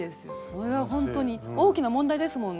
それはほんとに大きな問題ですもんね。